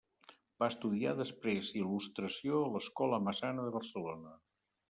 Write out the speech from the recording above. Va estudiar després Il·lustració a l'Escola Massana de Barcelona.